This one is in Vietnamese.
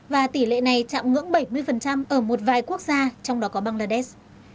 và tỷ lệ này chạm ngưỡng bảy mươi ở một vài quốc gia trong đó có bangladesh